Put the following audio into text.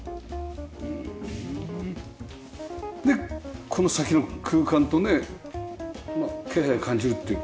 でこの先の空間とね気配感じるっていうか。